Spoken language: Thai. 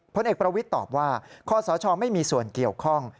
ผลเอกประวิทย์ตอบว่าคอสชไม่มีส่วนเกี่ยวข้อง